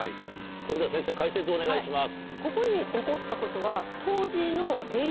それでは先生解説お願いします。